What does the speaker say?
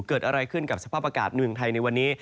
เกิดอะไรขึ้นกับสภาพอากาศเมืองไทยในวันนี้